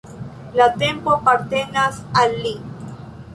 La tempo apartenas al li.